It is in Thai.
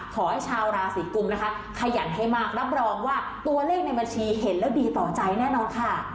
ชาวราศีกุมนะคะขยันให้มากรับรองว่าตัวเลขในบัญชีเห็นแล้วดีต่อใจแน่นอนค่ะ